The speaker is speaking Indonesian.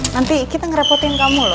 nanti kita ngerepotin kamu loh